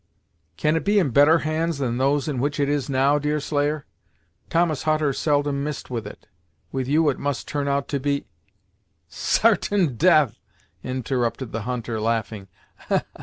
"Can it be in better hands than those in which it is now, Deerslayer? Thomas Hutter seldom missed with it; with you it must turn out to be " "Sartain death!" interrupted the hunter, laughing.